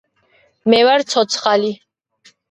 მე ვარ ცოცხალი